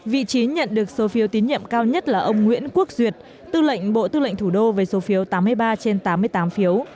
vị trí nhận được số phiếu tín nhiệm cao nhất là ông nguyễn quốc duyệt tư lệnh bộ tư lệnh thủ đô với số phiếu tám mươi ba trên tám mươi tám phiếu